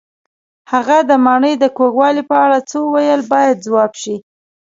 هغه د ماڼۍ د کوږوالي په اړه څه وویل باید ځواب شي.